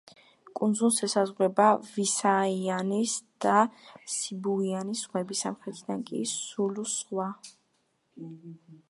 კუნძულს ესაზღვრება: ვისაიანის და სიბუიანის ზღვები, სამხრეთიდან კი სულუს ზღვა.